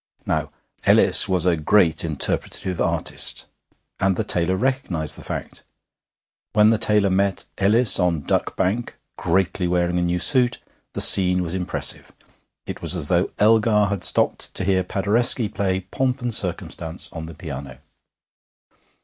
Now, Ellis was a great interpretative artist, and the tailor recognised the fact. When the tailor met Ellis on Duck Bank greatly wearing a new suit, the scene was impressive. It was as though Elgar had stopped to hear Paderewski play 'Pomp and Circumstance' on the piano.